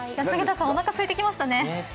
おなかすいてきました。